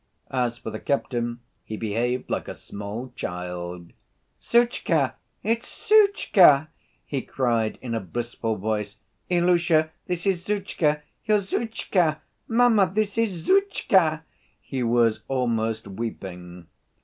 As for the captain he behaved like a small child. "Zhutchka! It's Zhutchka!" he cried in a blissful voice, "Ilusha, this is Zhutchka, your Zhutchka! Mamma, this is Zhutchka!" He was almost weeping.